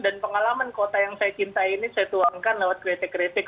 dan pengalaman kota yang saya cintai ini saya tuangkan lewat kritik kritik